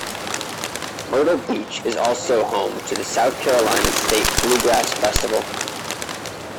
Myrtle Beach is also home to the South Carolina State Bluegrass Festival.